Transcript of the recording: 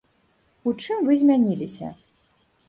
У чым вы змяніліся?